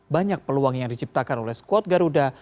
banyak peluang yang diciptakan oleh skuad garuda